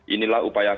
inilah upaya kami